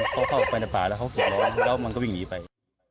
เขาเข้าไปในป่าแล้วเขาเดือดร้อนแล้วมันก็วิ่งหนีไป